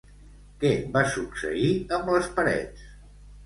Què va succeir amb les parets?